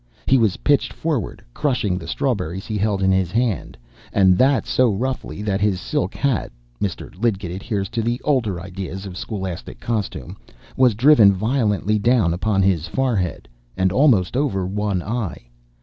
He was pitched forward, crushing the strawberries he held in his hand, and that so roughly, that his silk hat Mr. Lidgett adheres to the older ideas of scholastic costume was driven violently down upon his forehead, and almost over one eye.